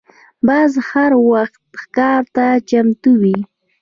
باز هر وخت ښکار ته چمتو وي